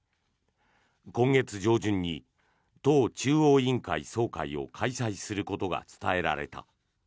今月上旬に党中央委員会総会を開催することが伝えられた。